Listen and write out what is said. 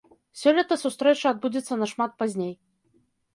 Сёлета сустрэча адбудзецца нашмат пазней.